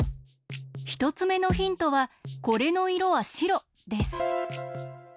ひとつめのヒントはこれのいろはしろです。